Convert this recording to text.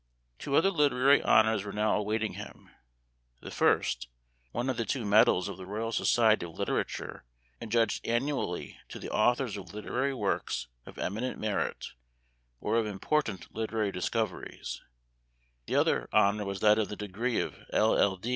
Two other literary honors were now awaiting him : the first, one of the two medals of the Royal Society of Literature adjudged annually to the authors of literary works of eminent merit or of important literary discoveries ; the other honor was that of the degree of LL.